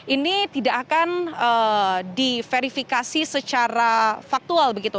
ini tidak akan diverifikasi secara faktual begitu